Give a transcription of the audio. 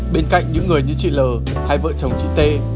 bên cạnh những người như chị l hai vợ chồng chị t